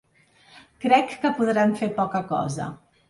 Crec que podran fer poca cosa.